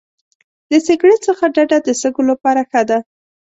د سګرټ څخه ډډه د سږو لپاره ښه ده.